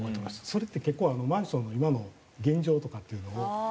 それって結構マンションの今の現状とかっていうのを。